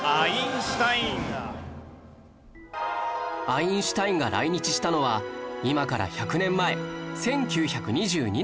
アインシュタインが来日したのは今から１００年前１９２２年